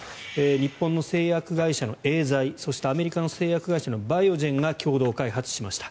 日本の製薬会社のエーザイそしてアメリカの製薬会社のバイオジェンが共同開発しました。